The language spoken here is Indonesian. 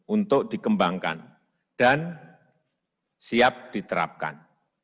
untuk dikembangkan dan siap diterapkan